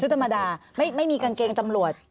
ธรรมดาไม่มีกางเกงตำรวจ